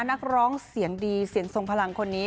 นักร้องเสียงดีเสียงทรงพลังคนนี้